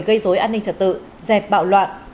gây dối an ninh trật tự dẹp bạo loạn